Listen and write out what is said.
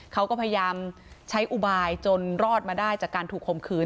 เขาก็พยายามใช้อุบายจนรอดมาได้จากการถูกคมคืน